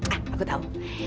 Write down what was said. ah aku tahu